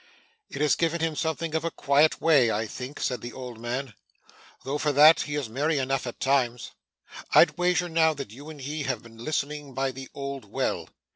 'It has given him something of a quiet way, I think,' said the old man, 'though for that he is merry enough at times. I'd wager now that you and he have been listening by the old well.